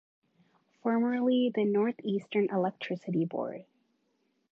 Formerly the North Eastern Electricity Board.